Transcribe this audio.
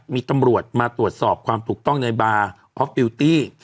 มีตำรวจมาตรวจสอบความถูกต้องในบาร์ออฟฟิลตี้